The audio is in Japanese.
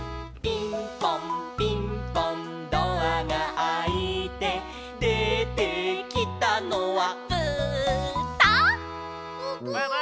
「ピンポンピンポンドアがあいて」「出てきたのは」